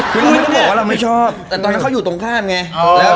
พี่อุ้ยเขาบอกว่าเราไม่ชอบแต่ตอนนั้นเขาอยู่ตรงข้ามไง